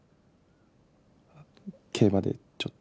競馬でちょっと。